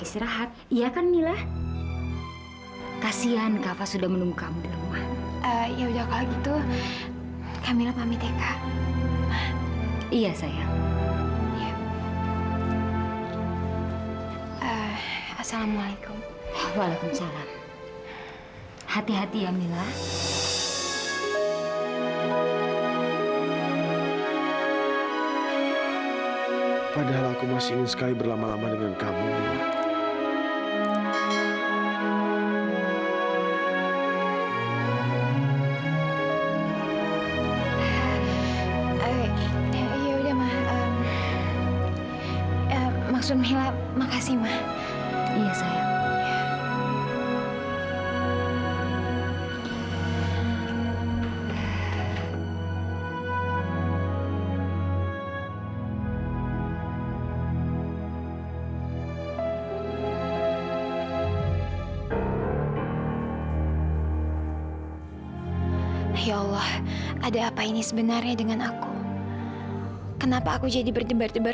sampai jumpa di video selanjutnya